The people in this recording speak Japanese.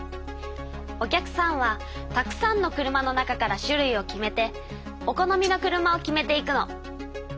お客さんはたくさんの車の中から種類を決めてお好みの車を決めていくの。